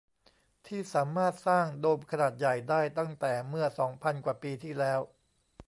ที่สามารถสร้างโดมขนาดใหญ่ได้ตั้งแต่เมื่อ สอง พันกว่าปีที่แล้ว